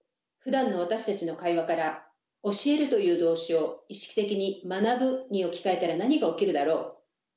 ふだんの私たちの会話から「教える」という動詞を意識的に「学ぶ」に置き換えたら何が起きるだろう？